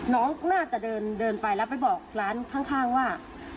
น้องน่าจะเดินไปแล้วไปบอกร้านข้างว่า